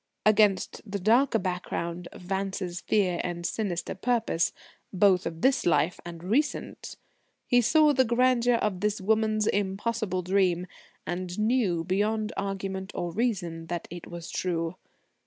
Against the darker background of Vance's fear and sinister purpose both of this present life, and recent he saw the grandeur of this woman's impossible dream, and knew, beyond argument or reason, that it was true.